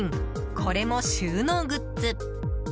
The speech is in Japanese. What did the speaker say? これも収納グッズ。